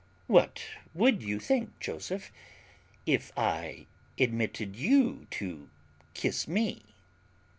What would you think, Joseph, if I admitted you to kiss me?"